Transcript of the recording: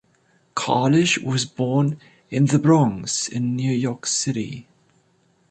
Kalish was born in The Bronx in New York City.